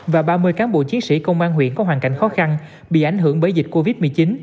và ba mươi cán bộ chiến sĩ công an huyện có hoàn cảnh khó khăn bị ảnh hưởng bởi dịch covid một mươi chín